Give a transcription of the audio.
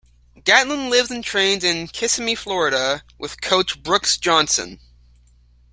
Gatlin lives and trains in Kissimmee, Florida with coach Brooks Johnson.